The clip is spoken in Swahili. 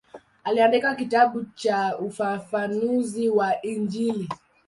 Aliandika kitabu cha ufafanuzi wa Injili.